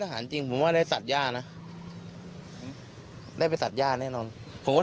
อาหารจริงผมว่าได้ตัดย่านะได้ไปตัดย่าแน่นอนผมก็